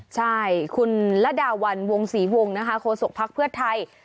ใช่คุณลดาวรวง๔วงโฆษกภักดิ์เพื่อไทย